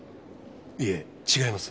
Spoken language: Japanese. いえ違います。